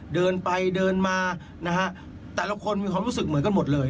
เดินไปเดินมานะฮะแต่ละคนมีความรู้สึกเหมือนกันหมดเลย